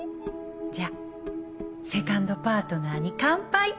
じゃあセカンドパートナーに乾杯。